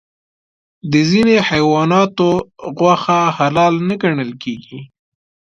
د ځینې حیواناتو غوښه حلال نه ګڼل کېږي.